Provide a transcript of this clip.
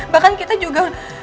bahkan kita juga